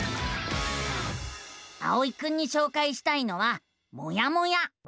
あおいくんにしょうかいしたいのは「もやモ屋」。